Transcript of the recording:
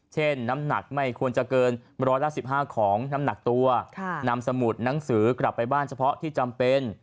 น้ำหนักไม่ควรจะเกินร้อยละ๑๕ของน้ำหนักตัวนำสมุดหนังสือกลับไปบ้านเฉพาะที่จำเป็น